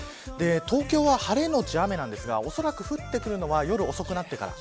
東京は晴れのち雨ですがおそらく降るのは夜遅くなってから。